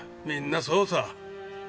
みんなそうさ。